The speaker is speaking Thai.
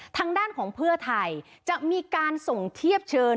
ทางด้านของเพื่อไทยจะมีการส่งเทียบเชิญ